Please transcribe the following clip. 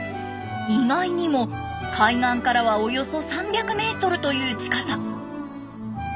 意外にも海岸からはおよそ３００メートルという近さ。